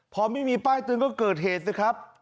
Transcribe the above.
พอไม่มีป้ายเตือนก็เกิดเหตุสิครับ